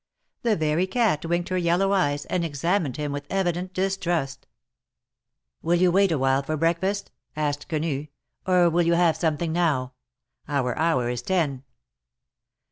The very cat winked her yellow eyes and examined him with evident distrust. "Will you wait a while for breakfast?" asked Quenu, "or will you have something now? Our hour is ten."